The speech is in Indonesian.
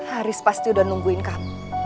haris pasti udah nungguin kamu